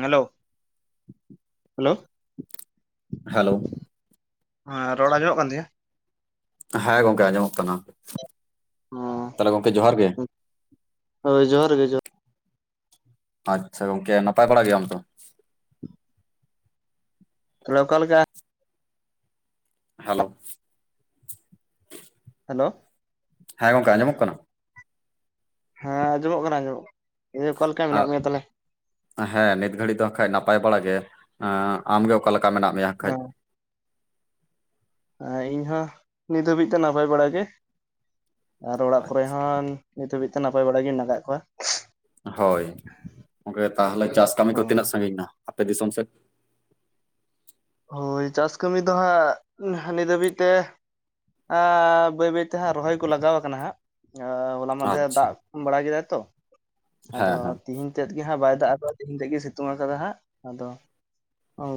Hello hello hello ᱦᱮᱸ ᱨᱚᱲ ᱟᱸᱡᱚᱢᱚᱜ ᱠᱟᱱ ᱛᱤᱧᱟᱹ ᱦᱮᱸ ᱜᱚᱝᱠᱮ ᱟᱸᱡᱚᱢᱚᱜ ᱠᱟᱱᱟ ᱛᱟᱦᱚᱞᱮ ᱜᱚᱢᱠᱮ ᱡᱚᱦᱟᱨ ᱜᱮ ᱦᱳᱭ ᱡᱚᱦᱟᱨ ᱜᱮ ᱡᱚᱦᱟᱨ ᱟᱪᱪᱷᱟ ᱜᱚᱝᱠᱮ ᱱᱟᱯᱟᱭ ᱵᱟᱲᱟ ᱜᱮᱭᱟᱢ ᱛᱚ [unintelligible] ᱚᱠᱟ ᱞᱮᱠᱟ ᱦᱮᱞᱳ ᱦᱮᱞᱳ ᱦᱮᱸ ᱜᱚᱝᱠᱮ ᱟᱸᱡᱚᱢᱚᱜ ᱠᱟᱱᱟ ᱦᱮᱸ ᱟᱸᱡᱚᱢᱚᱜ ᱠᱟᱱᱟ ᱟᱸᱡᱚᱢᱚᱜ ᱠᱟᱱᱟ ᱤᱭᱟᱹ ᱚᱠᱟ ᱞᱮᱠᱟ ᱢᱮᱱᱟᱜ ᱟ- ᱢᱮᱭᱟ ᱛᱟᱦᱚᱞᱮ? ᱦᱮᱸ ᱱᱤᱛ ᱜᱷᱟᱹᱲᱤ ᱫᱚ ᱠᱷᱟᱡ ᱱᱟᱯᱟᱭ ᱵᱟᱲᱟ ᱜᱮ ᱟᱢᱜᱮ ᱚᱠᱟ ᱞᱮᱠᱟ ᱢᱮᱱᱟᱜ ᱢᱮᱭᱟ ᱠᱷᱟᱡ ᱤᱧ ᱦᱚᱸ ᱱᱤᱛ ᱦᱟᱹᱵᱤᱡ ᱛᱮ ᱱᱟᱯᱟᱭ ᱵᱟᱲᱟ ᱜᱮ ᱟᱨ ᱚᱲᱟᱜ ᱠᱚᱨᱮ ᱟᱪᱪᱷᱟ ᱦᱚᱸ ᱱᱤᱛ ᱦᱟᱹᱵᱤᱡ ᱛᱮ ᱱᱟᱯᱟᱭ ᱵᱟᱲᱟ ᱜᱮ ᱢᱮᱱᱟᱜ ᱠᱟᱜ ᱠᱚᱣᱟ ᱦᱳᱭ ᱜᱚᱝᱠᱮ ᱛᱟᱦᱚᱞᱮ ᱪᱟᱥ ᱠᱟᱹᱢᱤ ᱠᱚ ᱛᱤᱱᱟᱹᱜ ᱥᱟᱺᱜᱤᱧ ᱱᱟ ᱟᱯᱮ ᱫᱤᱥᱚᱢ ᱥᱮᱫ ᱦᱳᱭ ᱪᱟᱥ ᱠᱟᱹᱢᱤ ᱫᱚ ᱦᱟᱸᱜ ᱱᱤᱛ ᱦᱟᱹᱵᱤᱡ ᱛᱮ ᱟᱻ ᱵᱟᱹᱭ ᱵᱟᱹᱭ ᱛᱮ ᱦᱟᱸᱜ ᱨᱚᱦᱚᱭ ᱠᱚ ᱞᱟᱜᱟᱣ ᱠᱟᱱᱟ ᱦᱟᱸᱜ ᱟ ᱦᱚᱞᱟ ᱢᱟᱫᱷᱮᱨ ᱟᱪᱪᱷᱟ ᱫᱟᱜ ᱵᱟᱲᱟ ᱠᱮᱫᱟ ᱛᱚ ᱦᱮᱸ ᱟᱫᱚ ᱦᱮᱸ ᱛᱤᱦᱤᱧ ᱛᱮᱫ ᱜᱮ ᱦᱟᱸᱜ ᱵᱟᱭ ᱫᱟᱜ ᱠᱟᱫᱟ ᱛᱮᱦᱤᱧ ᱛᱮᱫ ᱜᱮ ᱥᱤᱛᱩᱝ ᱟᱠᱟᱫᱟ ᱦᱟᱸᱜ ᱟᱫᱚ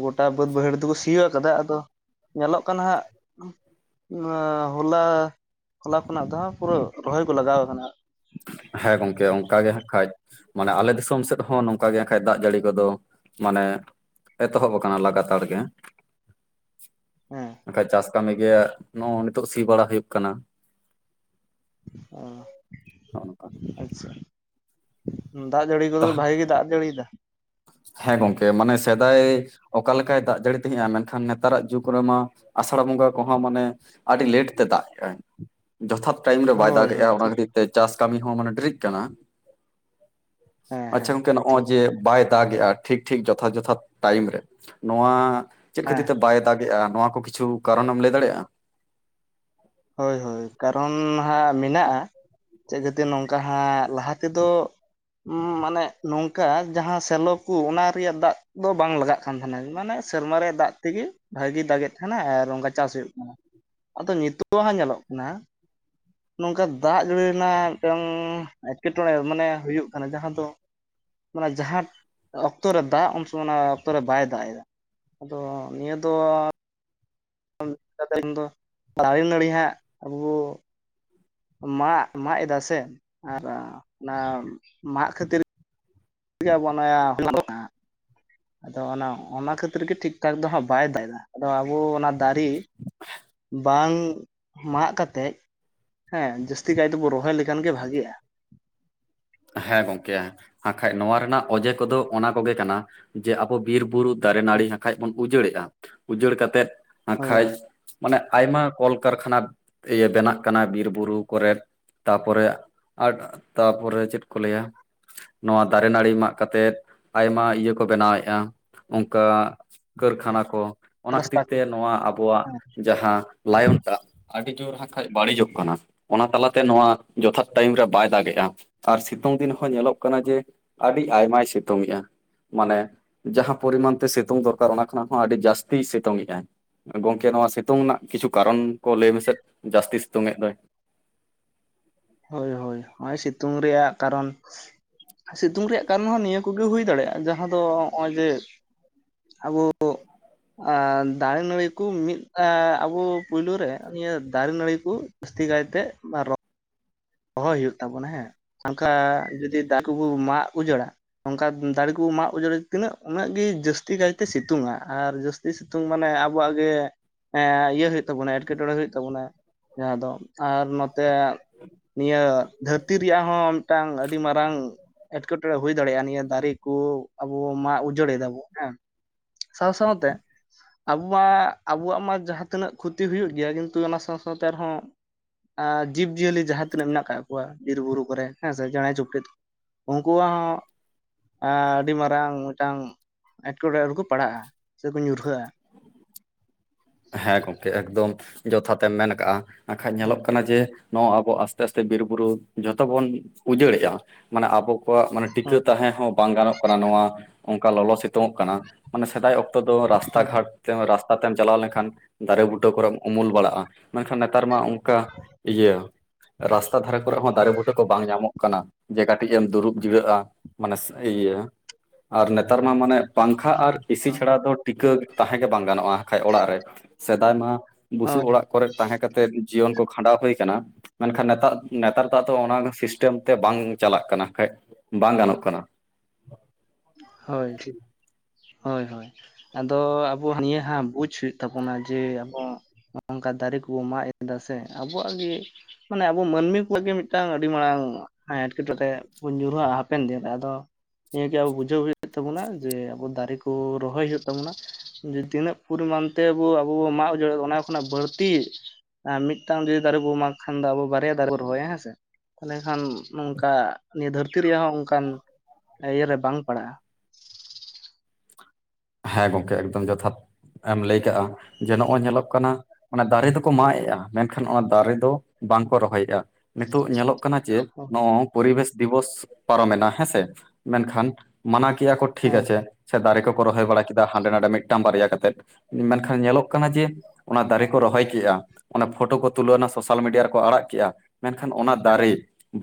ᱜᱚᱴᱟ ᱵᱟᱹᱫᱽ ᱵᱟᱹᱭᱦᱟᱹᱲ ᱥᱤᱭ ᱠᱟᱫᱟ ᱟᱫᱚ ᱧᱮᱞᱚᱜ ᱠᱟᱱᱟ ᱦᱟᱸᱜ ᱟᱸ ᱦᱚᱞᱟ ᱦᱚᱞᱟ ᱠᱷᱚᱱᱟᱜ ᱫᱚ ᱯᱩᱨᱟᱹ ᱨᱚᱦᱚᱭ ᱠᱚ ᱞᱟᱜᱟᱣ ᱠᱟᱱᱟ ᱦᱮᱸ ᱜᱚᱝᱠᱮ ᱚᱱᱠᱟ ᱜᱮ ᱦᱟᱜ ᱠᱷᱟᱡ ᱢᱟᱱᱮ ᱟᱞᱮ ᱫᱤᱥᱚᱢ ᱥᱮᱫ ᱦᱚᱸ ᱱᱚᱝᱠᱟ ᱜᱮ ᱠᱷᱟᱡ ᱫᱟᱜ ᱡᱟᱹᱲᱤ ᱠᱚᱫᱚ ᱢᱟᱱᱮ ᱮᱛᱚ ᱦᱚᱵ ᱠᱟᱱᱟ ᱞᱟᱜᱟ ᱛᱟᱨ ᱜᱮ ᱦᱮᱸ ᱵᱟᱠᱷᱟᱡ ᱪᱟᱥ ᱠᱟᱹᱢᱤ ᱜᱮ ᱱᱚᱜᱼᱚ ᱱᱤᱛᱚᱜ ᱥᱤ ᱵᱟᱲᱟ ᱦᱩᱭᱩᱜ ᱠᱟᱱᱟ ᱟᱸ ᱱᱚᱜ-ᱱᱚᱝᱠᱟ ᱟᱪᱪᱷᱟ ᱫᱟᱜ ᱡᱟᱹᱲᱤ ᱠᱚᱫᱚ ᱵᱷᱟᱜᱮ ᱜᱮ ᱫᱟᱜ ᱡᱟᱹᱲᱤᱭ ᱫᱟ ᱦᱮᱸ ᱜᱚᱝᱠᱮ ᱢᱟᱱᱮ ᱥᱮᱫᱟᱭ ᱚᱠᱟ ᱞᱮᱠᱟᱭ ᱫᱟᱜ ᱡᱟᱹᱲᱤ ᱛᱟᱦᱮᱸᱜᱼᱟ ᱢᱮᱱ ᱠᱷᱟᱱ ᱱᱮᱛᱟᱨᱟᱜ ᱡᱩᱜᱽ ᱨᱮᱢᱟ ᱟᱥᱟᱲ ᱵᱚᱸᱜᱟ ᱠᱚᱦᱚᱸ ᱢᱟᱱᱮ ᱟᱹᱰᱤ ᱞᱮᱴ ᱛᱮ ᱫᱟᱜ ᱠᱮᱜᱼᱟᱭ ᱡᱚᱛᱷᱟᱛ ᱴᱟᱭᱤᱢ ᱨᱮ ᱵᱟᱭ ᱦᱳᱭ ᱦᱳᱭ ᱫᱟᱜᱮᱼᱟ ᱚᱱᱟ ᱴᱷᱤᱠ ᱠᱷᱟᱹᱛᱤᱨ ᱛᱮ ᱪᱟᱥ ᱠᱟᱹᱢᱤ ᱦᱚᱸ ᱢᱟᱱᱮ ᱰᱤᱨᱤᱜ ᱠᱟᱱᱟ᱾ ᱦᱮᱸ ᱦᱮᱸ ᱟᱪᱪᱷᱟ ᱜᱚᱝᱠᱮ ᱴᱷᱤᱠ ᱱᱚᱜᱼᱚᱭ ᱴᱷᱤᱠ ᱡᱮ ᱵᱟᱭ ᱫᱟᱜᱮᱼᱟ ᱴᱷᱤᱠ ᱴᱷᱤᱠ ᱡᱚᱛᱷᱟᱛ ᱡᱚᱛᱷᱟᱛ ᱴᱟᱭᱤᱢ ᱨᱮ ᱱᱚᱣᱟ ᱪᱮᱫ ᱦᱮᱸ ᱠᱷᱟᱹᱛᱤᱨ ᱛᱮ ᱵᱟᱭ ᱫᱟᱜ ᱮᱜᱼᱟ ᱱᱚᱣᱟ ᱠᱚ ᱠᱤᱪᱷᱩ ᱠᱟᱨᱚᱱ ᱮᱢ ᱞᱟᱹᱭ ᱫᱟᱲᱮᱭᱟᱜᱼᱟ ᱦᱳᱭ ᱦᱳᱭ ᱠᱟᱨᱚᱱ ᱦᱟᱸᱜ ᱢᱮᱱᱟᱜᱼᱟ ᱪᱮᱫ ᱠᱷᱟᱹᱛᱤᱨ ᱱᱚᱝᱠᱟ ᱦᱟᱸᱜ ᱞᱟᱦᱟ ᱛᱮᱫᱚ ᱢᱟᱱᱮ ᱱᱚᱝᱠᱟ ᱡᱟᱦᱟᱸ ᱥᱮᱞᱚ ᱠᱚ ᱚᱱᱟ ᱨᱮᱭᱟᱜ ᱫᱟᱜ ᱫᱚ ᱵᱟᱝ ᱞᱟᱜᱟᱜ [inaudible] ᱠᱟᱱ ᱛᱟᱦᱮᱸᱱᱟ ᱢᱟᱱᱮ ᱥᱮᱨᱢᱟ ᱨᱮᱭᱟᱜ ᱫᱟᱜ ᱛᱮ ᱜᱮ ᱵᱷᱟᱹᱜᱤ ᱫᱟᱜᱮᱫ ᱛᱟᱸᱦᱮᱱᱟ ᱟᱨ ᱚᱱᱠᱟ ᱪᱟᱥ ᱦᱩᱭᱩᱜ ᱠᱟᱱᱟ ᱟᱫᱚ ᱱᱤᱛᱚᱜ ᱦᱟᱸᱜ ᱧᱮᱞᱚᱜ ᱠᱟᱱᱟ [inaudible] ᱱᱚᱝᱠᱟ ᱫᱟᱜ ᱡᱟᱹᱲᱤ ᱨᱮᱱᱟᱜ ᱢᱤᱫᱴᱟᱝ ᱮᱴᱠᱮ ᱴᱚᱬᱮ ᱢᱟᱱᱮ ᱦᱩᱭᱩᱜ ᱠᱟᱱᱟ ᱡᱟᱦᱟᱸ ᱫᱚ ᱢᱟᱱᱮ ᱡᱟᱦᱟᱸ ᱚᱠᱛᱚ ᱨᱮ ᱫᱟᱜ ᱩᱱ ᱥᱚᱢᱚᱭ ᱚᱱᱟ ᱚᱠᱛᱚ ᱨᱮ ᱵᱟᱭ ᱫᱟᱜ ᱮᱫᱟ ᱟᱫᱚ ᱱᱤᱭᱟᱹ ᱫᱚ [inaudible] ᱫᱟᱨᱮᱼᱱᱟᱹᱲᱤ ᱦᱟᱸᱜ ᱟᱵᱚ ᱢᱟᱜ ᱢᱟᱜ ᱮᱫᱟ ᱥᱮ ᱟᱨ ᱚᱱᱟ ᱢᱟᱜ ᱠᱷᱟᱹᱛᱤᱨ ᱜᱮ ᱟᱵᱚᱣᱟᱜ ᱱᱚᱣᱟ [inaudible] ᱟᱫᱚ ᱚᱱᱟ ᱚᱱᱟ ᱠᱷᱟᱹᱛᱤᱨ ᱜᱮ ᱴᱷᱤᱠ ᱴᱷᱟᱠ ᱫᱚ ᱦᱟᱸᱜ ᱵᱟᱭ ᱫᱟᱭ ᱮᱫᱟ ᱟᱫᱚ ᱟᱵᱚ ᱚᱱᱟ ᱫᱟᱨᱮ ᱵᱟᱝ ᱢᱟᱜ ᱠᱟᱛᱮᱡ ᱦᱮᱸ ᱡᱟᱹᱥᱛᱤ ᱠᱟᱭ ᱛᱮᱵᱚ ᱨᱚᱦᱚᱭ ᱞᱮᱠᱷᱟᱱ ᱜᱮ ᱵᱷᱟᱜᱮᱼᱟ ᱦᱮᱸ ᱜᱚᱝᱠᱮ ᱱᱟᱠᱷᱟᱡ ᱱᱚᱣᱟ ᱨᱮᱱᱟᱜ ᱚᱸᱡᱮ ᱠᱚ ᱫᱚ ᱚᱱᱟ ᱠᱚ ᱜᱮ ᱠᱟᱱᱟ ᱡᱮ ᱟᱵᱚ ᱵᱤᱨ ᱵᱩᱨᱩ ᱫᱟᱨᱮ ᱱᱟᱹᱲᱤ ᱦᱟᱠᱷᱟᱡ ᱵᱚᱱ ᱩᱡᱟᱹᱲᱮᱜᱼᱟ ᱩᱡᱟᱹᱲ ᱠᱟᱛᱮᱫ ᱦᱳᱭ ᱱᱟᱠᱷᱟᱡ ᱢᱟᱱᱮ ᱟᱭᱢᱟ ᱠᱚᱞ ᱠᱟᱨᱠᱷᱟᱱᱟ ᱤᱭᱟᱹ ᱵᱮᱱᱟᱜ ᱠᱟᱱᱟ ᱵᱤᱨᱼᱵᱩᱨᱩ ᱠᱚᱨᱮᱱ ᱛᱟᱨ ᱯᱚᱨᱮ ᱟᱨ ᱛᱟᱨ ᱯᱚᱨᱮ ᱪᱮᱫ ᱠᱚ ᱞᱟᱹᱭᱟ ᱱᱚᱣᱟ ᱫᱟᱨᱮ ᱱᱟᱹᱲᱤ ᱢᱟᱜ ᱠᱟᱛᱮᱫ ᱟᱭᱢᱟ ᱤᱭᱟᱹ ᱠᱚ ᱵᱮᱱᱟᱣᱮᱫᱼᱟ ᱚᱱᱠᱟ ᱠᱟᱹᱨᱠᱷᱟᱱᱟ ᱠᱚ ᱚᱱᱟ ᱨᱟᱥᱛᱟ ᱠᱷᱟᱹᱛᱤᱨ ᱠᱚ ᱛᱮ ᱱᱚᱣᱟ ᱟᱵᱚᱣᱟᱜ ᱦᱮᱸ ᱡᱟᱦᱟᱸ ᱞᱟᱭᱚᱱᱴᱟᱜ ᱟᱹᱰᱤ ᱡᱳᱨ ᱦᱟᱸᱜ ᱠᱷᱟᱱ ᱵᱟᱹᱲᱤᱡᱚᱜ ᱠᱟᱱᱟ ᱚᱱᱟ ᱛᱟᱞᱟᱛᱮ ᱱᱚᱣᱟ ᱡᱚᱛᱷᱟᱛ ᱴᱟᱭᱤᱢ ᱨᱮ ᱵᱟᱭ ᱫᱟᱜᱮᱜᱼᱟ ᱟᱨ ᱥᱤᱛᱩᱝ ᱫᱤᱱ ᱦᱚᱸ ᱧᱮᱞᱚᱜ ᱠᱟᱱᱟ ᱡᱮ ᱟᱹᱰᱤ ᱟᱭᱢᱟᱭ ᱥᱤᱛᱩᱝ ᱮᱼᱟ ᱢᱟᱱᱮ ᱡᱟᱦᱟᱸ ᱯᱚᱨᱤᱢᱟᱱ ᱛᱮ ᱥᱤᱛᱩᱝ ᱫᱚᱨᱠᱟᱨ ᱚᱱᱟ ᱠᱷᱚᱱᱟᱜ ᱦᱚᱸ ᱟᱹᱰᱤ ᱡᱟᱹᱥᱛᱤ ᱥᱤᱛᱩᱝ ᱮᱜᱟᱭ ᱜᱚᱝᱠᱮ ᱱᱚᱣᱟ ᱥᱤᱛᱩᱝ ᱨᱮᱱᱟᱜ ᱠᱤᱪᱷᱩ ᱠᱟᱨᱚᱱ ᱠᱚ ᱞᱟᱹᱭ ᱢᱮᱥᱮ ᱡᱟᱹᱥᱛᱤ ᱥᱤᱛᱩᱝ ᱮᱫ ᱫᱚᱭ ᱦᱳᱭ ᱦᱳᱭ ᱱᱚᱜᱼᱚᱭ ᱥᱤᱛᱩᱝ ᱨᱮᱭᱟᱜ ᱠᱟᱨᱚᱱ ᱥᱤᱛᱩᱝ ᱨᱮᱭᱟᱜ ᱠᱟᱨᱚᱱ ᱦᱚᱸ ᱱᱤᱭᱟᱹ ᱠᱚᱜᱮ ᱦᱩᱭ ᱫᱟᱲᱮᱭᱟᱜᱼᱟ ᱡᱟᱦᱟᱸ ᱫᱚ ᱱᱚᱜᱼᱚᱭ ᱡᱮ ᱟᱵᱚ ᱟᱨ ᱫᱟᱨᱮ ᱱᱟᱹᱲᱤ ᱠᱚ ᱢᱤᱫ ᱟᱵᱚ ᱯᱳᱭᱞᱳ ᱨᱮ ᱱᱤᱭᱟᱹ ᱫᱟᱨᱮ ᱱᱟᱹᱲᱤ ᱠᱚ ᱡᱟᱹᱥᱛᱤ ᱠᱟᱭᱛᱮ ᱢᱟᱨᱚ ᱨᱚᱦᱚᱭ ᱦᱩᱭᱩᱜ ᱛᱟᱵᱚᱱᱟ ᱦᱮᱸ ᱠᱟ ᱡᱩᱫᱤ ᱫᱟ ᱠᱚᱵᱩ ᱢᱟᱜ ᱩᱡᱟᱹᱲᱟ ᱱᱚᱝᱠᱟ ᱫᱟᱨᱮ ᱠᱚ ᱢᱟᱜ ᱚᱡᱟᱹᱲᱟ ᱛᱤᱱᱟᱹᱜ ᱩᱱᱟᱹᱜ ᱜᱮ ᱡᱟᱹᱥᱛᱤ ᱠᱟᱭ ᱛᱮ ᱥᱤᱛᱩᱝᱼᱟ ᱟᱨ ᱡᱟᱹᱥ ᱥᱤᱛᱩᱝ ᱢᱟᱱᱮ ᱟᱵᱚᱣᱟᱜ ᱜᱮ ᱮᱸ ᱤᱭᱟᱹ ᱦᱩᱭᱩᱜ ᱛᱟᱵᱚᱱᱟ ᱮᱴᱠᱮᱴᱚᱲᱮ ᱦᱩᱭᱩᱜ ᱛᱟᱵᱚᱱᱟ ᱡᱟᱦᱟᱸ ᱫᱚ ᱟᱨ ᱱᱚᱛᱮ ᱱᱤᱭᱟᱹ ᱫᱷᱟᱹᱨᱛᱤ ᱨᱮᱭᱟᱜ ᱦᱚᱸ ᱢᱤᱫᱴᱟᱝ ᱟᱹᱰᱤ ᱢᱟᱨᱟᱝ ᱮᱸᱴᱠᱮ ᱴᱚᱲᱮ ᱦᱩᱭ ᱫᱟᱲᱮᱭᱟᱜᱼᱟ ᱱᱤᱭᱟᱹ ᱫᱟᱨᱮ ᱠᱚ ᱟᱵᱚ ᱢᱟᱜ ᱩᱡᱟᱹᱲ ᱫᱟᱵᱚ ᱦᱮᱸ ᱥᱟᱶ ᱥᱟᱶᱛᱮ ᱟᱵᱚ ᱢᱟ ᱟᱵᱚᱣᱟᱜ ᱢᱟ ᱡᱟᱦᱟᱸ ᱛᱤᱱᱟᱹᱜ ᱠᱷᱚᱛᱤ ᱦᱩᱭᱩᱜ ᱜᱮᱭᱟ ᱠᱤᱱᱛᱩ ᱚᱱᱟ ᱥᱟᱶ ᱥᱟᱶᱛᱮ ᱟᱨᱦᱚᱸ ᱡᱤᱵᱽ ᱡᱤᱭᱟᱹᱞᱤ ᱡᱟᱦᱟᱸ ᱛᱤᱱᱟᱹᱜ ᱢᱮᱱᱟᱜ ᱟᱠᱟᱫ ᱠᱚᱣᱟ ᱵᱤᱨ ᱵᱩᱨᱩ ᱠᱚᱨᱮ ᱦᱮᱸ ᱥᱮ ᱪᱮᱬᱮ ᱪᱩᱯᱲᱤᱡ ᱩᱱᱠᱩᱣᱟᱜ ᱦᱚᱸ ᱟᱹᱰᱤ ᱢᱟᱨᱟᱝ ᱢᱤᱫᱴᱟᱝ ᱮᱴᱠᱮᱴᱚᱬᱮ ᱨᱮᱠᱚ ᱯᱟᱲᱦᱟᱜᱼᱟ ᱥᱮ ᱠᱚ ᱧᱩᱨᱦᱟᱹᱜᱼᱟ ᱦᱮᱸ ᱜᱚᱢᱠᱮ ᱮᱠᱫᱚᱢ ᱡᱚᱛᱷᱟ ᱛᱮᱢ ᱢᱮᱱ ᱠᱟᱜᱼᱟ ᱟᱨᱠᱷᱟᱡ ᱧᱮᱞᱚᱜ ᱠᱟᱱᱟ ᱡᱮ ᱱᱚᱣᱟ ᱟᱵᱚ ᱟᱥᱛᱮ ᱟᱥᱛᱮ ᱵᱤᱨ ᱵᱩᱨᱩ ᱡᱷᱚᱛᱚ ᱵᱚᱱ ᱩᱡᱟᱹᱲᱮᱜᱼᱟ ᱢᱟᱱᱮ ᱟᱵᱚ ᱠᱚᱣᱟᱜ ᱢᱟᱱᱮ ᱴᱤᱠᱟᱹ ᱛᱟᱦᱮᱸ ᱦᱚᱸ ᱵᱟᱝ ᱜᱟᱱᱚᱜ ᱠᱟᱱᱟ ᱱᱚᱣᱟ ᱚᱱᱠᱟ ᱞᱚᱞᱚ ᱥᱮ ᱠᱟᱱᱟ ᱢᱟᱱᱮ ᱥᱮᱫᱟᱭ ᱚᱠᱛᱚ ᱫᱚ ᱨᱟᱥᱛᱟ ᱜᱷᱟᱴ ᱨᱟᱥᱛᱟ ᱛᱮᱢ ᱪᱟᱞᱟᱣ ᱞᱮᱱᱠᱷᱟᱱ ᱟᱱ ᱫᱟᱨᱮ ᱵᱩᱴᱟᱹ ᱠᱚ ᱨᱮᱢ ᱩᱢᱩᱞ ᱵᱟᱲᱟᱜᱼᱟ ᱢᱮᱱᱠᱷᱟᱱ ᱱᱮᱛᱟᱨ ᱢᱟ ᱚᱱᱠᱟ ᱤᱭᱟᱹ ᱨᱟᱥᱛᱟ ᱫᱷᱟᱨᱮ ᱠᱚᱨᱮ ᱦᱚᱸ ᱫᱟᱨᱮ ᱵᱩᱴᱟᱹ ᱠᱚ ᱵᱟᱝ ᱧᱟᱢᱚᱜ ᱠᱟᱱᱟ ᱡᱮ ᱠᱟᱹᱴᱤᱡ ᱮᱢ ᱫᱩᱲᱩᱵ ᱡᱤᱨᱟᱹᱜᱼᱟ ᱢᱟᱱᱮ ᱤᱭᱟᱹ ᱟᱨ ᱱᱮᱛᱟᱨ ᱢᱟ ᱢᱟᱱᱮ ᱯᱟᱝᱠᱷᱟ ᱟᱨ ᱮᱥᱤ ᱪᱷᱟᱲᱟ ᱫᱚ ᱴᱤᱠᱟᱹ ᱛᱟᱦᱮᱸ ᱜᱮ ᱵᱟᱝ ᱜᱟᱱᱚᱜᱼᱟ ᱠᱷᱟᱡ ᱚᱲᱟᱜ ᱨᱮ ᱥᱮᱫᱟᱭ ᱢᱟ ᱵᱩᱥᱩᱵ ᱦᱳᱭ ᱚᱲᱟᱜ ᱠᱚᱨᱮᱜ ᱛᱟᱦᱮᱸ ᱠᱟᱛᱮᱫ ᱡᱤᱭᱚᱱ ᱠᱚ ᱠᱷᱟᱸᱰᱟᱣ ᱦᱩᱭ ᱟᱠᱟᱱᱟ ᱢᱮᱱᱠᱷᱟᱱ ᱱᱮᱛᱟᱨ ᱱᱮᱛᱟᱨ ᱫᱚ ᱟᱫᱚ ᱚᱱᱟ ᱥᱤᱥᱴᱮᱢ ᱛᱮ ᱵᱟᱝ ᱪᱟᱞᱟᱜ ᱠᱟᱱᱟ ᱠᱷᱟᱱ ᱵᱟᱝ ᱜᱟᱱᱚᱜ ᱠᱟᱱᱟ ᱦᱳᱭ ᱦᱳᱭ ᱦᱳᱭ ᱟᱫᱚ ᱟᱵᱚ ᱱᱤᱭᱟᱹ ᱦᱟᱸ ᱵᱩᱡ ᱦᱩᱭᱩᱜ ᱛᱟᱵᱚᱱᱟ ᱡᱮ ᱟᱵᱚ ᱱᱚᱝᱠᱟ ᱫᱟᱨᱮ ᱠᱚᱵᱚ ᱢᱟᱜ ᱮ ᱮᱫᱟ ᱥᱮ ᱟᱵᱚᱣᱟᱜ ᱜᱮ ᱢᱟᱱᱮ ᱟᱵᱚ ᱢᱟᱹᱱᱢᱤ ᱠᱚ ᱞᱟᱹᱜᱤᱫ ᱢᱤᱫᱴᱟᱝ ᱟᱹᱰᱤ ᱢᱟᱨᱟᱝ ᱦᱮᱸ ᱮᱴᱠᱮᱴᱚᱬᱮ ᱵᱩᱱ ᱧᱩᱨᱦᱟᱹᱜ ᱟᱼᱟ ᱦᱟᱯᱮᱱ ᱫᱤᱱ ᱨᱮ ᱟᱫᱚ ᱱᱤᱭᱟᱹᱟᱹᱜᱮ ᱟᱵᱚ ᱵᱩᱡᱷᱟᱹᱣ ᱦᱩᱭᱩᱜᱼᱟ ᱛᱚ ᱚᱱᱟ ᱜᱮ ᱡᱮ ᱟᱵᱚ ᱫᱟᱨᱮ ᱠᱚ ᱨᱚᱦᱚᱭ ᱦᱩᱭᱩᱜ ᱛᱟᱵᱚᱱᱟ ᱡᱮ ᱛᱤᱱᱟᱹᱜ ᱯᱚᱨᱤᱢᱟᱱ ᱛᱮᱵᱚ ᱟᱵᱚ ᱵᱚ ᱢᱟᱜ ᱩᱡᱟᱹᱲᱫᱟ ᱚᱱᱟ ᱠᱷᱚᱱᱟᱜ ᱵᱟᱹᱲᱛᱤ ᱟᱨ ᱢᱤᱫᱴᱟᱝ ᱡᱩᱫᱤ ᱫᱟᱨᱮ ᱵᱚᱱ ᱢᱟᱜ ᱠᱷᱟᱱ ᱫᱚ ᱟᱵᱚ ᱵᱟᱨᱭᱟ ᱫᱟᱨᱮ ᱵᱚᱱ ᱨᱚᱦᱚᱭᱟ ᱦᱮᱸ ᱥᱮ ᱛᱟᱦᱚᱞᱮ ᱠᱷᱟᱱ ᱱᱚᱝᱠᱟ ᱱᱤᱭᱟᱹ ᱫᱷᱟᱹᱨᱛᱤ ᱨᱮᱭᱟᱜ ᱦᱚᱸ ᱚᱱᱠᱟᱱ ᱤᱭᱟᱹᱨᱮ ᱵᱟᱝ ᱯᱟᱲᱟᱜᱼᱟ ᱦᱮᱸ ᱜᱚᱢᱠᱮ ᱮᱠᱫᱚᱢ ᱡᱚᱛᱷᱟᱛ ᱮᱢ ᱞᱟᱹᱭ ᱠᱟᱜᱼᱟ ᱡᱮ ᱱᱚᱜᱼᱚᱭ ᱧᱮᱞᱚᱜ ᱠᱟᱱᱟ ᱢᱮ ᱫᱟᱨᱮ ᱫᱚᱠᱚ ᱢᱟᱜ ᱮᱜᱼᱟ ᱢᱮᱱᱠᱷᱟᱱ ᱚᱱᱟ ᱫᱟᱨᱮ ᱫᱚ ᱵᱟᱝᱠᱚ ᱨᱚᱦᱚᱭᱮᱫᱼᱟ ᱱᱤᱛᱳᱜ ᱧᱮᱞᱚᱜ ᱠᱟᱱᱟ ᱡᱮ ᱱᱚ ᱯᱚᱨᱤᱵᱮᱥ ᱫᱤᱵᱚᱥ ᱯᱟᱨᱚᱢᱮᱱᱟ ᱦᱮᱸ ᱥᱮ ᱢᱮᱱᱠᱷᱟᱱ ᱢᱟᱱᱟᱣ ᱠᱮᱭᱟ ᱠᱚ ᱴᱷᱤᱠ ᱦᱮᱸ ᱟᱪᱷᱮ ᱥᱮ ᱫᱟᱨᱮ ᱠᱚ ᱠᱚ ᱨᱚᱦᱚᱭ ᱵᱟᱲᱟ ᱠᱮᱫᱟ ᱦᱟᱸᱰᱮ ᱱᱟᱰᱮ ᱢᱤᱫᱴᱟᱝ ᱵᱟᱨᱭᱟ ᱠᱟᱛᱮᱫ ᱢᱮᱱᱠᱷᱟᱱ ᱧᱮᱞᱚᱜ ᱠᱟᱱᱟ ᱡᱮ ᱚᱱᱟ ᱫᱟᱨᱮ ᱠᱚ ᱨᱚᱦᱚᱭ ᱠᱮᱜᱼᱟ ᱚᱱᱟ ᱯᱷᱳᱴᱳ ᱠᱚ ᱛᱩᱞᱟᱹᱣᱱᱟ ᱥᱳᱥᱟᱞ ᱢᱤᱰᱤᱭᱟ ᱨᱮᱠᱚ ᱟᱲᱟᱜ ᱠᱮᱜᱼᱟ ᱢᱮᱱᱠᱷᱟᱱ ᱚᱱᱟ ᱫᱟᱨᱮ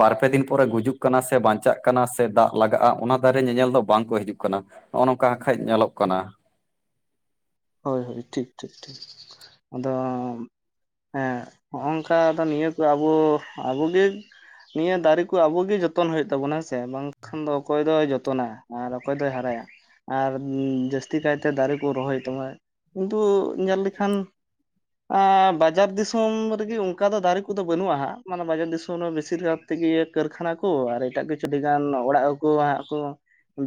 ᱵᱟᱨ ᱯᱮ ᱫᱤᱱ ᱯᱚᱨᱮ ᱜᱩᱡᱩᱜ ᱠᱟᱱᱟ ᱥᱮ ᱵᱟᱧᱪᱟᱜ ᱠᱟᱱᱟ ᱥᱮ ᱫᱟᱜ ᱞᱟᱜᱟᱜᱼᱟ ᱚᱱᱟ ᱫᱟᱨᱮ ᱧᱮᱧᱮᱞ ᱫᱚ ᱵᱟᱝ ᱠᱚ ᱦᱤᱡᱩᱜ ᱠᱟᱱᱟ ᱱᱚᱜᱼᱚ ᱱᱚᱝᱠᱟ ᱠᱷᱟᱱ ᱧᱮᱞᱚᱜ ᱠᱟᱱᱟ ᱦᱳᱭ ᱦᱳᱭ ᱴᱷᱤᱠ ᱴᱷᱤᱠ ᱴᱷᱤᱠ ᱟᱫᱚ ᱦᱮᱸ ᱦᱚᱜ ᱱᱚᱝᱠᱟ ᱫᱚ ᱱᱤᱭᱟᱹ ᱠᱚ ᱟᱵᱚ ᱟᱵᱚᱜᱮ ᱱᱤᱭᱟᱹ ᱫᱟᱨᱮ ᱠᱚ ᱟᱵᱚᱜ ᱜᱮ ᱡᱚᱛᱚᱱ ᱦᱩᱭᱩᱜ ᱛᱟᱵᱚᱱᱟ ᱦᱮᱸᱥᱮ ᱵᱟᱝᱠᱷᱟᱱ ᱫᱚ ᱚᱠᱚᱭ ᱫᱚᱭ ᱡᱚᱛᱚᱱᱟ ᱟᱨ ᱚᱠᱚᱭ ᱫᱚᱭ ᱦᱟᱨᱟᱭᱟ᱾ ᱟᱨ ᱡᱟᱹᱥᱛᱤ ᱠᱟᱭᱛᱮ ᱫᱟᱨᱮ ᱠᱚ ᱨᱚᱦᱚᱭ ᱦᱩᱭᱩᱜ ᱛᱟᱢᱟ᱾ ᱠᱤᱱᱛᱩ ᱧᱮᱞ ᱞᱮᱠᱷᱟᱱ ᱟᱻ ᱵᱟᱡᱟᱨ ᱫᱤᱥᱚᱢ ᱨᱮᱜᱮ ᱚᱱᱠᱟ ᱫᱚ ᱫᱟᱨᱮ ᱠᱚᱫᱚ ᱵᱟᱹᱱᱩᱜᱼᱟ ᱦᱟᱸᱜ᱾ ᱢᱟᱱᱮ ᱵᱟᱡᱟᱨ ᱫᱤᱥᱚᱢ ᱨᱮ ᱵᱮᱥᱤᱨ ᱵᱷᱟᱜᱽ ᱛᱮᱜᱮ ᱠᱟᱹᱨᱠᱷᱟᱱᱟ ᱠᱚ ᱟᱨ ᱮᱴᱟᱜ ᱠᱤᱪᱷᱩ ᱟᱹᱰᱤ ᱜᱟᱱ ᱚᱲᱟᱜ ᱠᱚᱠᱚ ᱦᱟᱸᱜ ᱠᱚ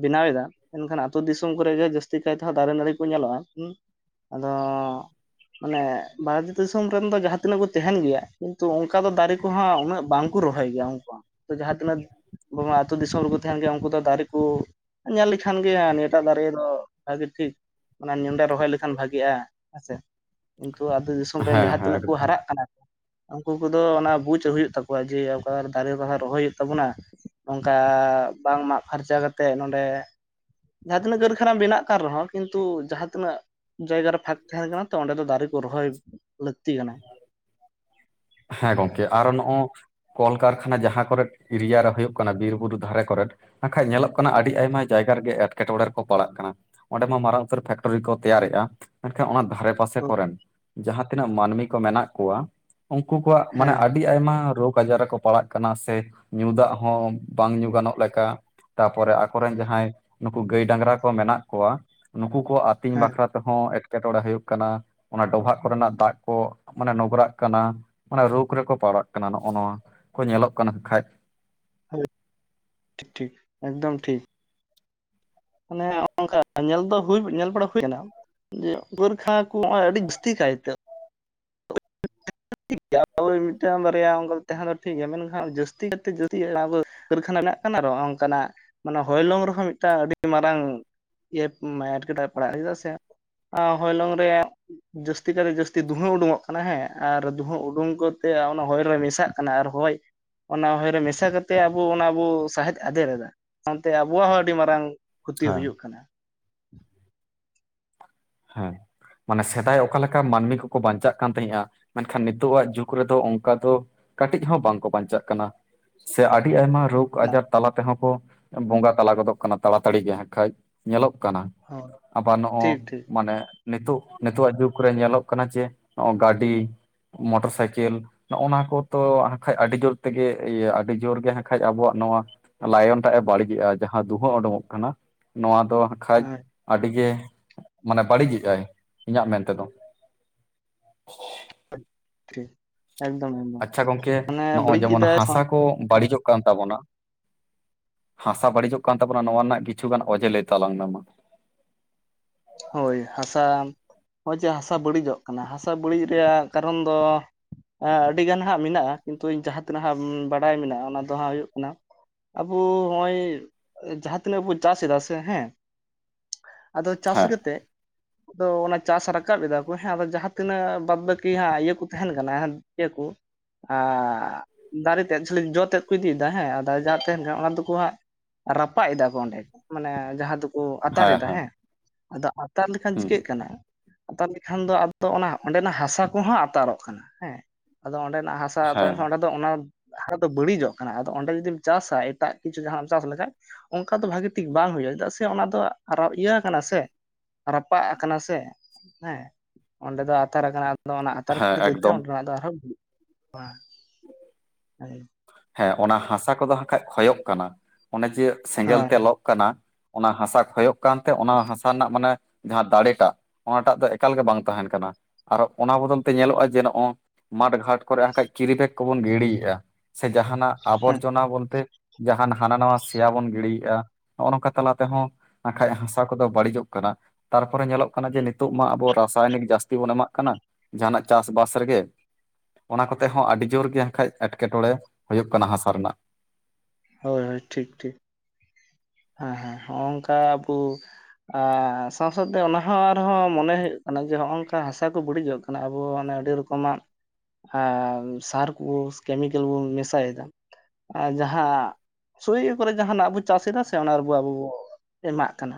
ᱵᱮᱱᱟᱣ ᱮᱫᱟ, ᱮᱱᱠᱷᱟᱱ ᱟᱹᱛᱩ ᱫᱤᱥᱚᱢ ᱠᱚᱨᱮ ᱜᱮ ᱡᱟᱹᱥᱛᱤ ᱠᱟᱭ ᱛᱮᱦᱚᱸ ᱫᱟᱨᱮ ᱱᱟᱲᱤ ᱠᱚ ᱧᱮᱞᱚᱜᱼᱟ᱾ [unintelligible] ᱟᱫᱚᱻ ᱢᱟᱱᱮ ᱵᱷᱟᱨᱚᱛ ᱫᱤᱥᱚᱢ ᱨᱮᱱ ᱫᱚ ᱡᱟᱦᱟᱸ ᱛᱤᱱᱟᱹᱜ ᱠᱚ ᱛᱟᱦᱮᱸᱱ ᱜᱮᱭᱟ᱾ ᱠᱤᱱᱛᱩ ᱚᱱᱠᱟ ᱫᱚ ᱫᱟᱨᱮ ᱠᱩᱦᱟᱜ ᱩᱱᱟᱹᱜ ᱵᱟᱝᱠᱚ ᱨᱚᱦᱚᱭ ᱜᱮᱭᱟ᱾ ᱩᱱᱠᱟ ᱡᱟᱦᱟᱸ ᱛᱤᱱᱟᱹᱜ [inaudible] ᱟᱛᱩ ᱫᱤᱥᱚᱢ ᱨᱮᱠᱚ ᱛᱟᱦᱮᱱ ᱜᱮᱭᱟ᱾ ᱩᱱᱠᱩ ᱫᱚ ᱫᱟᱨᱮ ᱠᱚ ᱩ ᱧᱮᱞ ᱞᱮᱠᱷᱟᱱ ᱜᱮ ᱱᱤᱭᱟᱹ ᱴᱟᱜ ᱫᱟᱨᱮ ᱫᱚ ᱵᱷᱟᱜᱤ ᱴᱷᱤᱠ ᱢᱟᱱᱮ ᱱᱮᱸᱰᱮ ᱨᱚᱦᱚᱭ ᱞᱮᱠᱷᱟᱱ ᱵᱷᱟᱜᱤᱜᱼᱟ ᱦᱮᱸ ᱥᱮ, ᱠᱤᱱᱛᱩ ᱟᱹᱛᱩ ᱫᱤᱥᱚᱢ ᱨᱮᱱ ᱡᱟᱦᱟᱸ ᱛᱤᱱᱟᱹᱜ ᱠᱚ ᱦᱟᱨᱟᱜ ᱠᱟᱱᱟ ᱩᱱᱠᱩ ᱠᱚᱫᱚ ᱚᱱᱟ ᱵᱩᱡᱽ ᱦᱩᱭᱩᱜ ᱛᱟᱠᱚᱣᱟ᱾ ᱡᱮ ᱚᱠᱟ ᱫᱟᱨᱮ ᱵᱟᱦᱟ ᱨᱚᱦᱚᱭ ᱦᱩᱭᱩᱜ ᱛᱟᱵᱚᱱᱟ᱾ ᱚᱱᱠᱟ ᱵᱟᱝ ᱢᱟᱜᱽ ᱯᱷᱟᱨᱪᱟ ᱠᱟᱛᱮᱫ ᱱᱚᱰᱮ ᱡᱟᱦᱟᱸ ᱛᱤᱱᱟᱹᱜ ᱠᱟᱹᱨᱠᱷᱟᱱᱟ ᱵᱮᱱᱟᱜ ᱠᱟᱱ ᱨᱮᱦᱚᱸ ᱠᱤᱱᱛᱩ ᱡᱟᱦᱟᱸᱛᱤᱱᱟᱹᱜ ᱡᱟᱭᱜᱟ ᱨᱮ ᱯᱷᱟᱸᱠ ᱛᱟᱦᱮᱱ ᱠᱟᱱᱟ ᱛᱚ ᱚᱸᱰᱮ ᱫᱚ ᱫᱟᱨᱤ ᱠᱚ ᱨᱚᱦᱚᱭ ᱞᱟᱹᱠᱛᱤ ᱠᱟᱱᱟ᱾ ᱦᱮᱸ ᱜᱚᱝᱠᱮ ᱟᱨᱚ ᱱᱚᱜᱼᱚ ᱠᱚᱞᱠᱟᱨᱠᱷᱟᱱᱟ ᱡᱟᱦᱟᱸ ᱠᱚᱨᱮᱫ ᱮᱨᱤᱭᱟ ᱨᱮ ᱦᱳᱭᱳᱜ ᱠᱟᱱᱟ, ᱵᱤᱨ ᱵᱩᱨᱩ ᱫᱷᱟᱨᱮ ᱠᱚᱨᱮᱫ ᱦᱟᱸᱠᱷᱟᱡ ᱧᱮᱞᱚᱜ ᱠᱟᱱᱟ ᱟᱹᱰᱤ ᱟᱭᱢᱟ ᱡᱟᱭᱜᱟ ᱨᱮᱜᱮ ᱮᱴᱠᱮ ᱴᱚᱬᱮ ᱨᱮᱠᱚ ᱯᱟᱲᱟᱜ ᱠᱟᱱᱟ᱾ ᱚᱸᱰᱮ ᱢᱟ ᱢᱟᱨᱟᱝ ᱩᱛᱟᱹᱨ ᱯᱷᱮᱠᱴᱨᱤ ᱠᱚ ᱛᱮᱭᱟᱨᱮᱜᱼᱟ ᱢᱮᱱᱠᱷᱟᱱ ᱚᱱᱟ ᱫᱷᱟᱨᱮ ᱯᱟᱥᱮ ᱠᱚᱨᱮᱱ ᱡᱟᱦᱟᱸ ᱛᱤᱱᱟᱹᱜ ᱢᱟᱹᱱᱢᱤ ᱠᱚ ᱢᱮᱱᱟᱜ ᱠᱚᱣᱟ ᱩᱱᱠᱩ ᱠᱚᱣᱟᱜ ᱢᱟᱱᱮ ᱦᱮᱸ ᱟᱹᱰᱤ ᱟᱭᱢᱟ ᱨᱳᱜᱽ ᱟᱡᱟᱨ ᱟᱠᱚ ᱯᱟᱲᱟᱜ ᱠᱟᱱᱟ ᱥᱮ ᱧᱩ ᱫᱟᱜ ᱦᱚᱸ ᱵᱟᱝ ᱧᱩ ᱜᱟᱱᱚᱜ ᱞᱮᱠᱟ᱾ ᱛᱟᱯᱚᱨᱮ ᱟᱠᱚᱨᱮᱱ ᱡᱟᱦᱟᱸᱭ ᱱᱩᱠᱩ ᱜᱟᱹᱭ ᱰᱟᱝᱨᱟ ᱠᱚ ᱢᱮᱱᱟᱜ ᱠᱚᱣᱟ ᱱᱩᱠᱩ ᱠᱚ ᱟ ᱛᱤᱧ ᱦᱮᱸ ᱵᱟᱠᱷᱨᱟ ᱛᱮᱦᱚᱸ ᱮᱴᱠᱮ ᱴᱚᱬᱮ ᱦᱩᱭᱩᱜ ᱠᱟᱱᱟ ᱚᱱᱟ ᱰᱚᱵᱷᱟᱜ ᱠᱚᱨᱮᱱᱟᱜ ᱫᱟᱜ ᱠᱚ ᱢᱟᱱᱮ ᱱᱚᱜᱨᱟᱜ ᱠᱟᱱᱟ ᱢᱟᱱᱮ ᱨᱳᱜᱽ ᱨᱮᱠᱚ ᱯᱟᱲᱟᱜ ᱠᱟᱱᱟ ᱱᱚᱜᱼᱚ ᱱᱚᱣᱟ ᱠᱚ ᱧᱮᱞᱚᱜ ᱠᱟᱱᱟ ᱦᱟᱸᱠᱷᱟᱡ᱾ ᱦᱮ ᱴᱷᱤᱠ ᱴᱷᱤᱠ ᱮᱠᱫᱚᱢ ᱴᱷᱤᱠ ᱢᱟᱱᱮ ᱚᱝᱠᱟ ᱧᱮᱞ ᱫᱚ ᱦᱩᱭ ᱧᱮᱞ ᱵᱟᱲᱟ ᱦᱩᱭᱱᱟ ᱠᱟᱱᱟ ᱡᱮ ᱵᱚᱨᱠᱷᱟ ᱠᱩ ᱦᱚᱸᱜᱼᱚᱭ ᱟᱹᱰᱤ ᱡᱟᱹᱥᱛᱤ ᱠᱟᱭᱛᱮ ᱴᱷᱤᱠ ᱜᱮᱭᱟ ᱟᱵᱚ ᱢᱤᱜᱴᱟᱝ ᱵᱟᱨᱭᱟ ᱚᱝᱠᱟ ᱛᱟᱦᱮᱸ ᱫᱚ ᱴᱷᱤᱠ ᱜᱮᱭᱟ ᱢᱮᱱᱠᱷᱟᱱ ᱡᱟᱹᱥᱛᱤ ᱠᱟᱛᱮ ᱡᱟᱹᱥᱛᱤ ᱟᱵᱚ ᱠᱟᱹᱨᱠᱷᱟᱱᱟ ᱢᱮᱱᱟᱜ ᱠᱟᱱᱟ ᱟᱨ ᱦᱚᱸᱜ ᱚᱝᱠᱟᱱᱟᱜ ᱢᱟᱱᱮ ᱦᱚᱭᱞᱚᱝ ᱨᱮᱦᱚᱸ ᱢᱤᱜᱴᱟᱝ ᱟᱹᱰᱤ ᱢᱟᱨᱟᱝ ᱮᱯ ᱮᱸ ᱮᱴᱠᱮᱴᱚᱬᱮ ᱯᱟᱲᱟᱜᱼᱟ ᱥᱮ ᱟᱸ ᱦᱚᱭᱞᱚᱝ ᱨᱮᱭᱟᱜ ᱡᱟᱹᱥᱛᱤ ᱠᱟᱭᱛᱮ ᱡᱟᱹᱥᱛᱤ ᱫᱩᱦᱟᱹ ᱩᱰᱩᱝᱚᱜ ᱢᱟᱱᱮ ᱦᱮᱸ ᱟᱨ ᱫᱩᱸᱦᱟᱹ ᱩᱰᱩᱝ ᱠᱚᱛᱮ ᱚᱱᱟ ᱦᱚᱭ ᱨᱮ ᱢᱮᱥᱟᱜ ᱠᱟᱱᱟ ᱟᱨ ᱦᱚᱭ ᱚᱱᱟ ᱦᱚᱭ ᱨᱮ ᱢᱮᱥᱟ ᱠᱟᱛᱮᱜ ᱟᱵᱚ ᱚᱱᱟ ᱵᱚ ᱥᱟᱸᱦᱮᱫ ᱟᱫᱮᱨ ᱮᱫᱟ ᱥᱟᱶᱛᱮ ᱟᱵᱚᱣᱟᱜ ᱦᱚᱸ ᱟᱹᱰᱤ ᱢᱟᱨᱟᱝ ᱠᱷᱩᱛᱤ ᱦᱮᱸ ᱦᱩᱭᱩᱜ ᱠᱟᱱᱟ᱾ ᱦᱮᱸ ᱢᱟᱱᱮ ᱥᱮᱫᱟᱭ ᱚᱠᱟ ᱞᱮᱠᱟ ᱢᱟᱹᱱᱢᱤ ᱠᱚᱠᱚ ᱵᱟᱧᱪᱟᱜ ᱠᱟᱱ ᱛᱟᱦᱮᱸᱫᱼᱟ ᱢᱮᱱᱠᱷᱟᱱ ᱱᱤᱛᱚᱜ ᱟᱜ ᱡᱩᱜᱽ ᱨᱮᱫᱚ ᱚᱱᱠᱟ ᱫᱚ ᱠᱟᱹᱴᱤᱡ ᱦᱚᱸ ᱵᱟᱝᱠᱚ ᱵᱟᱧᱪᱟᱜ ᱠᱟᱱᱟ ᱾ ᱥᱮ ᱟᱹᱰᱤ ᱟᱭᱢᱟ ᱨᱳᱜᱽ ᱨᱳᱜ ᱟᱡᱟᱨ ᱛᱟᱞᱟ ᱛᱮᱦᱚᱸ ᱠᱚ ᱵᱚᱸᱜᱟ ᱛᱟᱞᱟ ᱜᱚᱫᱚᱜ ᱠᱟᱱᱟ ᱛᱟᱲᱟᱛᱟᱲᱤ ᱜᱮ ᱠᱷᱟᱡ ᱧᱮᱞᱚᱜ ᱠᱟᱱᱟ ᱦᱳᱭ ᱟᱵᱟᱨ ᱴᱷᱤᱠ ᱱᱚᱜᱼ ᱴᱷᱤᱠ ᱢᱟᱱᱮ ᱱᱤᱛᱚᱜ ᱱᱤᱛᱳᱜ ᱟᱜ ᱡᱩᱜᱽᱨᱮ ᱧᱮᱞᱚᱜ ᱠᱟᱱᱟ ᱡᱮ ᱱᱚᱜ ᱚ ᱜᱟᱹᱰᱤ ᱢᱳᱴᱚᱨ ᱥᱟᱭᱠᱮᱞ ᱱᱚᱜᱼᱚ ᱱᱚᱣᱟ ᱠᱚᱛᱚ ᱦᱟᱸᱠᱷᱟᱡ ᱟᱹᱰᱤ ᱡᱳᱨ ᱛᱮᱜᱮ ᱤᱭᱟᱹ ᱟᱹᱰᱤ ᱡᱳᱨ ᱜᱮ ᱦᱟᱸᱠᱷᱟᱡ ᱟᱵᱚᱣᱟᱜ ᱱᱚᱣᱟ ᱞᱟᱭᱚᱱ ᱴᱟᱜ ᱮ ᱵᱟᱹᱲᱤᱡᱮᱜᱼᱟ, ᱡᱟᱦᱟᱸ ᱫᱩᱸᱦᱟᱹ ᱩᱰᱩᱠᱚᱜ ᱠᱟᱱᱟ ᱱᱚᱣᱟ ᱫᱚ ᱦᱟᱸᱠᱷᱟᱡ ᱦᱳᱭ ᱟᱹᱰᱤᱜᱮ ᱢᱟᱱᱮ ᱵᱟᱹᱲᱤᱡᱮᱜᱼᱟᱭ ᱤᱧᱟᱹᱜ ᱢᱮᱱᱛᱮ ᱫᱚ᱾ ᱟᱴ ᱴᱷᱤᱠ ᱮᱠᱫᱚᱢ ᱮᱠᱫᱚᱢ ᱟᱪᱪᱷᱟ ᱜᱚᱝᱠᱮ ᱢᱟᱱᱮ ᱱᱚᱜᱼᱚᱭ ᱵᱟᱹᱲᱤᱡ ᱡᱮᱢᱚᱱ ᱮᱫᱟᱭ ᱦᱟᱥᱟ ᱥᱟᱶ ᱠᱚ ᱦᱮᱸ ᱵᱟᱹᱲᱤᱡᱚᱜ ᱛᱟᱵᱚᱱᱟ ᱦᱟᱥᱟ ᱵᱟᱹᱲᱤᱡᱚᱜ ᱠᱟᱱ ᱛᱟᱵᱚᱱᱟ ᱱᱚᱣᱟ ᱨᱮᱱᱟᱜ ᱠᱤᱪᱷᱩᱩᱜᱟᱱ ᱚᱡᱮ ᱞᱟᱹᱭ ᱛᱟᱞᱟᱝ ᱢᱮ ᱢᱟ ᱦᱳᱭ ᱦᱟᱥᱟ ᱱᱚᱜᱼᱚᱭ ᱡᱮ ᱦᱟᱥᱟ ᱵᱟᱹᱲᱤᱡᱚᱜ ᱠᱟᱱᱟ ᱦᱟᱥᱟ ᱵᱟᱹᱲᱤᱡ ᱨᱮᱭᱟᱜ ᱠᱟᱨᱚᱱ ᱫᱚ ᱦᱮᱸ ᱟᱹᱰᱤᱜᱟᱱ ᱦᱟᱸᱜ ᱢᱮᱱᱟᱜᱼᱟ ᱠᱤᱱᱛᱩ ᱡᱟᱦᱟᱸ ᱛᱤᱱᱟᱹᱜ ᱵᱟᱰᱟᱭ ᱢᱮᱱᱟᱜᱼᱟ ᱚᱱᱟ ᱫᱚ ᱦᱟᱸᱜ ᱦᱩᱭᱩᱜ ᱠᱟᱱᱟ ᱟᱵᱚ ᱱᱚᱜ ᱚᱭ ᱡᱟᱦᱟᱸ ᱛᱤᱱᱟᱹᱜ ᱵᱚ ᱪᱟᱥ ᱮᱫᱟ ᱥᱮ ᱦᱮᱸ ᱟᱫᱚ ᱪᱟᱥ ᱦᱮᱸ ᱠᱟᱛᱮᱫ ᱟᱫᱚ ᱚᱱᱟ ᱪᱟᱥ ᱨᱟᱠᱟᱵ ᱮᱫᱟ ᱠᱚ ᱦᱮᱸ ᱟᱫᱚ ᱡᱟᱦᱟᱸ ᱛᱤᱱᱟᱹᱜ ᱵᱟᱫᱽ ᱵᱟᱹᱠᱤ ᱤᱭᱟᱹ ᱠᱚ ᱛᱟᱦᱮᱸᱱ ᱠᱟᱱᱟ ᱤᱭᱟᱹ ᱠᱚ ᱟ ᱫᱟᱨᱮ ᱛᱮᱫ ᱡᱚ ᱛᱮᱫ ᱠᱚ ᱤᱫᱤᱭᱮᱫᱟ ᱦᱮᱸ ᱫᱟᱨᱮ ᱡᱟᱦᱟᱸ ᱛᱟᱦᱮᱸᱱ ᱡᱟ ᱠᱟ ᱫᱚᱠᱚ ᱦᱟᱸᱜ ᱨᱟᱯᱟᱜ ᱮᱫᱟ ᱠᱚ ᱚᱸᱰᱮ ᱢᱟᱱᱮ ᱡᱟᱦᱟᱸ ᱫᱚ ᱠᱚ ᱟᱛᱟᱨ ᱮᱫᱟ ᱦᱮᱸ ᱟᱫᱚ ᱟᱛᱟᱨ ᱞᱮᱠᱷᱟᱱ ᱦᱮᱸ ᱪᱤᱠᱟᱹᱜ ᱠᱟᱱᱟ ᱟᱛᱟᱨ ᱞᱮᱠᱷᱟᱱ ᱫᱚ ᱟᱫᱚ ᱚᱱᱟ ᱚᱸᱰᱮᱱᱟᱜ ᱦᱟᱥᱟ ᱠᱚᱦᱚᱸ ᱟᱛᱟᱨᱚᱜ ᱠᱟᱱᱟ ᱦᱮᱸ ᱟᱫᱚ ᱚᱸᱰᱮᱱᱟᱜ ᱦᱟᱥᱟ ᱦᱮᱸ ᱪᱟᱥᱟᱠᱷᱟᱱ ᱚᱸᱰᱮ ᱫᱚ ᱚᱱᱟ ᱦᱟᱥᱟ ᱫᱚ ᱵᱟᱹᱲᱤᱡᱚᱜ ᱠᱟᱱᱟ ᱟᱫᱚ ᱚᱸᱰᱮ ᱡᱚᱫᱤᱢ ᱪᱟᱥᱟ ᱮᱴᱟᱜ ᱠᱤᱪᱷᱩ ᱡᱟᱦᱟᱸᱱᱟᱜ ᱮᱢ ᱪᱟᱥ ᱞᱮᱠᱷᱟᱱ ᱚᱱᱠᱟ ᱫᱚ ᱵᱷᱟᱹᱜᱤ ᱴᱷᱤᱠ ᱵᱟᱝ ᱦᱩᱭᱩᱜᱼᱟ ᱪᱮᱫᱟᱜ ᱥᱮ ᱚᱱᱟ ᱫᱚ ᱟᱨᱚ ᱤᱭᱟᱹ ᱱᱟ ᱥᱮ ᱨᱟᱯᱟᱜ ᱠᱟᱱᱟ ᱥᱮ ᱦᱮᱸ ᱚᱸᱰᱮ ᱫᱚ ᱟᱛᱟᱨ ᱟᱠᱟᱱᱟ ᱟᱫᱚ ᱚᱱᱟ ᱟᱛᱟᱨ ᱦᱮᱸ ᱠᱷᱟᱹᱛᱤᱨ ᱛᱮ ᱮᱠᱫᱚᱢ ᱚᱸᱰᱮᱱᱟᱜ ᱫᱚ ᱟᱨᱦᱚᱸ ᱦᱩᱭᱩᱜᱼᱟ ᱦᱮᱸ ᱦᱳᱭ ᱦᱮᱸ ᱚᱱᱟ ᱦᱟᱥᱟ ᱠᱚ ᱫᱚ ᱦᱟᱸᱜ ᱠᱷᱟᱡ ᱠᱷᱚᱭᱚᱜ ᱠᱟᱱᱟ ᱚᱱᱮ ᱡᱮ ᱥᱮᱸᱜᱮᱞ ᱛᱮ ᱦᱮᱸ ᱞᱚᱜ ᱠᱟᱱᱟ ᱚᱱᱟ ᱦᱟᱥᱟ ᱠᱷᱚᱭᱚᱜ ᱠᱟᱱᱛᱮ ᱚᱱᱟ ᱦᱟᱥᱟ ᱨᱮᱱᱟᱜ ᱢᱟᱱᱮ ᱡᱟᱦᱟᱸ ᱫᱟᱲᱮ ᱴᱟᱜ ᱚᱱᱟᱴᱟᱜ ᱫᱚ ᱮᱠᱟᱞ ᱜᱮ ᱵᱟᱝ ᱛᱟᱦᱮᱸᱱ ᱠᱟᱱᱟ ᱟᱨ ᱚᱱᱟ ᱵᱚᱫᱚᱞ ᱛᱮ ᱧᱮᱞᱚᱜᱼᱟ ᱡᱮ ᱱᱚᱜᱼᱚᱭ ᱢᱟᱴᱷ ᱜᱷᱟᱴ ᱠᱚ ᱨᱮᱠᱷᱟᱡ ᱠᱮᱨᱤᱵᱮᱜᱽ ᱠᱚᱵᱚᱱ ᱜᱤᱲᱤᱭᱮᱫᱼᱟ ᱥᱮ ᱡᱟᱦᱟᱱᱟᱜ ᱟᱵᱚᱨᱡᱚᱱᱟ ᱵᱚᱞᱛᱮ ᱡᱟᱦᱟᱱ ᱦᱟᱱᱟ ᱱᱟᱣᱟ ᱥᱮᱭᱟ ᱵᱚᱱ ᱜᱤᱲᱤᱭᱮᱫᱼᱟ ᱱᱚᱜᱼᱚ ᱱᱚᱝᱠᱟ ᱛᱟᱞᱟ ᱛᱮᱦᱚᱸ ᱵᱟᱠᱷᱟᱡ ᱦᱟᱥᱟ ᱠᱚᱫᱚ ᱵᱟᱹᱲᱤᱡᱚᱜ ᱠᱟᱱᱟ᱾ ᱛᱟᱨᱯᱚᱨᱮ ᱧᱮᱞᱚᱜ ᱠᱟᱱᱟ ᱡᱮ ᱱᱤᱛᱚᱜ ᱢᱟ ᱟᱵᱚ ᱨᱟᱥᱟᱭᱚᱱᱤᱠ ᱡᱟᱹᱥᱛᱤ ᱵᱚᱱ ᱮᱢᱟᱜ ᱠᱟᱱᱟ᱾ ᱡᱟᱦᱟᱱᱟᱜ ᱪᱟᱥᱵᱟᱥ ᱨᱮᱜᱮ ᱚᱱᱟ ᱠᱚᱛᱮ ᱦᱚᱸ ᱟᱹᱰᱤ ᱡᱳᱨ ᱜᱮ ᱦᱟᱠᱷᱟᱡ ᱮᱸᱴᱠᱮᱴᱚᱬᱮ᱾ ᱦᱩᱭᱩᱜ ᱠᱟᱱᱟ ᱦᱟᱥᱟ ᱨᱮᱱᱟᱜ ᱦᱳᱭ ᱦᱳᱭ ᱴᱷᱤᱠ ᱴᱷᱤᱠ᱾ ᱦᱮᱸ ᱦᱮᱸ ᱦᱚᱸᱜ ᱚᱝᱠᱟ ᱟᱵᱚ ᱟᱨ ᱥᱟᱶ ᱥᱟᱶᱛᱮ ᱚᱱᱟ ᱦᱚᱸ ᱟᱨᱦᱚᱸ ᱢᱚᱱᱮ ᱦᱩᱭᱩᱜ ᱠᱟᱱᱟ ᱡᱮ ᱦᱚᱜᱼ ᱱᱚᱝᱠᱟ ᱦᱟᱥᱟ ᱠᱚ ᱵᱟᱹᱲᱤᱡᱚᱜ ᱠᱟᱱᱟ ᱠᱟᱱᱟ ᱟᱵᱚ ᱚᱱᱮ ᱟᱹᱰᱤ ᱨᱚᱠᱚᱢᱟᱜ ᱟᱨ ᱥᱟᱨ ᱠᱚ ᱠᱮᱢᱤᱠᱮᱞ ᱵᱚᱱ ᱢᱮᱥᱟᱭᱮᱫᱟ ᱟᱨ ᱡᱟᱦᱟᱸ ᱥᱳᱭ ᱠᱚᱨᱮ ᱡᱟᱦᱟᱸᱱᱟᱜ ᱵᱚ ᱪᱟᱥ ᱮᱫᱟ ᱥᱮ ᱥᱮ ᱚᱱᱟ ᱨᱮᱵᱚ ᱟᱵᱚ ᱵᱚ ᱮᱢᱟᱜ ᱠᱟᱱᱟ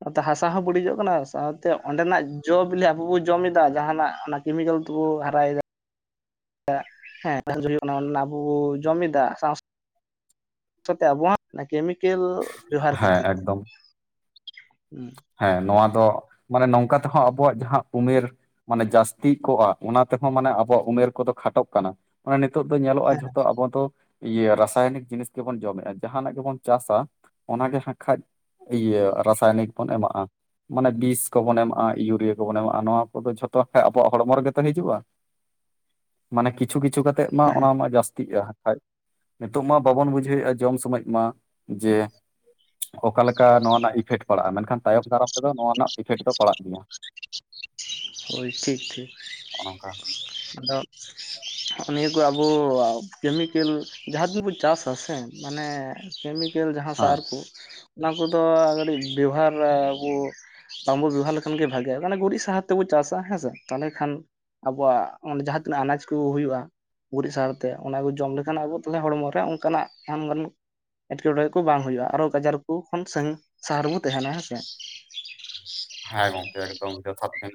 ᱱᱚᱛᱮ ᱦᱟᱥᱟ ᱦᱚᱸ ᱵᱟᱹᱰᱤᱡᱚᱜ ᱠᱟᱱᱟ ᱥᱟᱶᱛᱮ ᱚᱸᱰᱮᱱᱟᱜ ᱡᱚ ᱵᱤᱞᱤ ᱟᱵᱚ ᱵᱚ ᱡᱚᱢ ᱮᱫᱟ ᱡᱟᱦᱟᱱᱟᱜ ᱚᱱᱟ ᱠᱮᱢᱤᱠᱮᱞ ᱮᱫ ᱵᱚ ᱦᱟᱨᱟᱭ ᱮᱫᱟ᱾ ᱦᱮᱸ [unintelligible] ᱠᱟᱱᱟ ᱚᱱᱱᱟ ᱟᱵᱚ ᱵᱚ ᱡᱚᱢ ᱮᱫᱟ ᱥᱟᱶ ᱥᱟᱶ ᱠᱟᱛᱮ ᱟᱵᱚᱣᱟᱜ ᱚᱱᱟ ᱠᱮᱢᱤᱠᱮᱞ ᱵᱮᱵᱚᱦᱟᱨ ᱦᱮᱸ ᱠᱷᱟᱹᱛᱤᱨ ᱛᱮ ᱮᱠᱫᱚᱢ᱾ ᱦᱮᱸ ᱱᱚᱣᱟ ᱫᱚ ᱢᱟᱱᱮ ᱱᱚᱝᱠᱟ ᱛᱮᱦᱚᱸ ᱟᱵᱚᱣᱟᱜ ᱡᱟᱦᱟᱸ ᱩᱢᱮᱨ ᱢᱟᱱᱮ ᱡᱟᱹᱥᱛᱤ ᱠᱚᱜᱼᱟ ᱚᱱᱟ ᱛᱮᱦᱚᱸ ᱢᱟᱱᱮ ᱟᱵᱚᱣᱟᱜ ᱩᱢᱮᱨ ᱠᱚᱫᱚ ᱠᱷᱟᱴᱚᱜ ᱠᱟᱱᱟ᱾ ᱱᱚᱼᱚᱭ ᱱᱤᱛᱚᱜ ᱫᱚ ᱧᱮᱞᱚᱜᱼᱟ ᱡᱷᱚᱛᱚ ᱟᱵᱚ ᱫᱚ ᱨᱟᱥᱟᱭᱚᱱᱤᱠ ᱡᱤᱱᱤᱥ ᱜᱮᱵᱚᱱ ᱡᱚᱢᱮᱜᱼᱟ ᱡᱟᱦᱟᱱᱟᱜ ᱜᱮᱵᱚᱱ ᱪᱟᱥᱟ ᱚᱱᱟᱜᱮ ᱦᱟᱸᱜᱠᱷᱟᱡ ᱤᱭᱟᱹ ᱨᱟᱥᱟᱭᱱᱤᱠ ᱵᱚᱱ ᱮᱢᱟᱜᱼᱟ᱾ ᱢᱟᱱᱮ ᱵᱤᱥ ᱠᱚᱵᱚᱱ ᱮᱢᱟᱜᱼᱟ ᱤᱭᱩᱨᱤᱭᱟ ᱠᱚᱵᱚᱱ ᱮᱢᱟᱜᱼᱟ ᱱᱚᱣᱟ ᱠᱚᱫᱚ ᱡᱷᱚᱛᱚ ᱠᱷᱟ ᱟᱵᱚᱣᱟᱜ ᱦᱚᱲᱢᱚ ᱨᱮᱜᱮ ᱛᱚ ᱦᱤᱡᱩᱜᱼᱟ᱾ [inaudible] ᱢᱟᱱᱮ ᱠᱤᱪᱷᱩ ᱠᱤᱪᱷᱩ ᱠᱟᱛᱮᱫ ᱢᱟ ᱚᱱᱟ ᱦᱮᱸ ᱢᱟ ᱡᱟᱹᱥᱛᱤᱜᱼᱟ ᱠᱷᱟᱡ᱾ ᱱᱤᱛᱚᱜ ᱢᱟ ᱵᱟᱵᱚᱱ ᱵᱩᱡᱷᱟᱹᱣ ᱮᱫᱼᱟ ᱡᱚᱢ ᱥᱚᱢᱚᱭ ᱢᱟ ᱡᱮ ᱚᱠᱟᱞᱮᱠᱟ ᱱᱚᱣᱟ ᱨᱮᱱᱟᱜ ᱤᱯᱷᱮᱠᱴ ᱯᱟᱲᱟᱜᱼᱟ ᱢᱮᱱᱠᱷᱟᱱ ᱛᱟᱭᱚᱢ ᱫᱟᱨᱟᱢ ᱛᱮᱫᱚ ᱱᱚᱣᱟ ᱨᱮᱱᱟᱜ ᱤᱯᱷᱮᱠᱴ ᱫᱚ ᱯᱟᱲᱟᱜ ᱜᱮᱭᱟ᱾ ᱦᱳᱭ ᱴᱷᱤᱠ ᱴᱷᱤᱠ᱾ ᱦᱚᱸᱦᱚ ᱱᱚᱠᱟ᱾ ᱟᱫᱚ ᱱᱤᱭᱟᱹ ᱠᱚ ᱟᱵᱚ ᱠᱟᱹᱢᱤᱠᱮᱞ ᱡᱟᱦᱟᱸ ᱛᱤᱱᱟᱹᱜ ᱵᱚᱱ ᱪᱟᱥᱟ ᱥᱮ ᱢᱟᱱᱮ ᱠᱮᱢᱤᱠᱮᱞ ᱡᱟᱦᱟᱸ ᱦᱮᱸ ᱥᱟᱨ ᱠᱚ ᱚᱱᱟ ᱠᱚᱫᱚ ᱠᱟᱹᱴᱤᱡ ᱵᱮᱵᱷᱟᱨ ᱟᱵᱚ ᱵᱟᱝᱵᱚᱱ ᱵᱮᱣᱦᱟᱨ ᱞᱮᱠᱷᱟᱱ ᱜᱮ ᱵᱷᱟᱜᱮᱼᱟ ᱢᱟᱱᱮ ᱜᱩᱨᱤᱡ ᱥᱟᱦᱟᱨ ᱛᱮᱵᱚ ᱪᱟᱥᱟ ᱦᱮᱸᱥᱮ ᱛᱟᱦᱚᱞᱮ ᱠᱷᱟᱱ ᱟᱵᱚᱣᱟᱜ ᱚᱸᱰᱮ ᱡᱟᱦᱟᱸ ᱛᱤᱱᱟᱹᱜ ᱟᱱᱟᱡ ᱠᱚ ᱦᱩᱭᱩᱜᱼᱟ ᱜᱩᱨᱤᱡ ᱥᱟᱨᱛᱮ ᱚᱱᱟ ᱠᱚ ᱡᱚᱢ ᱞᱮᱠᱷᱟᱱ ᱟᱵᱚ ᱛᱟᱦᱚᱞᱮ ᱦᱚᱲᱢᱚᱨᱮ ᱚᱱᱠᱟᱱᱟᱜ ᱮᱢ ᱜᱟᱱᱚᱜ ᱮᱴᱠᱮᱴᱚᱬᱮ ᱠᱚ ᱵᱟᱝ ᱦᱩᱭᱩᱜᱼᱟ ᱟᱨᱦᱚ ᱟᱡᱟᱨ ᱠᱚ ᱠᱷᱚᱱ ᱥᱟᱸᱝ ᱥᱟᱦᱟ ᱨᱮ ᱵᱚᱱ ᱛᱟᱦᱮᱱᱟ ᱦᱮᱸᱥᱮ᱾ ᱦᱮᱸ ᱜᱚᱝᱠᱮ ᱮᱠᱫᱚᱢ ᱡᱚᱛᱷᱟᱛ ᱵᱮᱱ ᱞᱟᱹᱭ